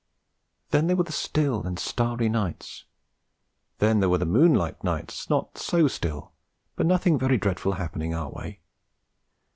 Then there were the still and starry nights. Then there were the moonlight nights, not so still, but nothing very dreadful happening our way.